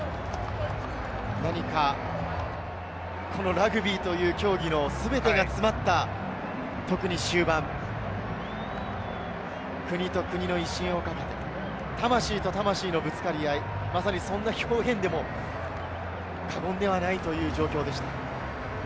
ラグビーという競技の全てが詰まった特に終盤、国と国の威信をかけて、魂と魂のぶつかり合い、そんな表現でも過言ではないという状況でした。